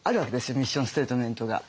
ミッションステートメントが。